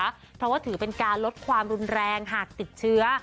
เพราะว่าถือเป็นการลดความรุนแรงหากติดเชื้อ